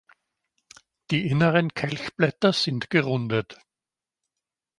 Die inneren Kelchblätter sind gerundet.